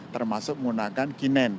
termasuk menggunakan kipas